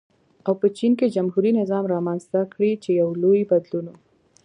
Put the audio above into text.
او په چین کې جمهوري نظام رامنځته کړي چې یو لوی بدلون و.